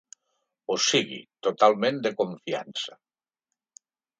O sigui, totalment de confiança.